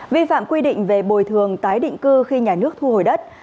vi phạm quy định về bồi thường tái định cư khi nhà nước thu hồi đất